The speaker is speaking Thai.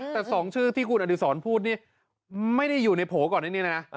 แต่๒ชื่อที่คุณอดีศรพูดนี่ไม่ได้อยู่ในโผล่ก่อนอันนี้เลยนะ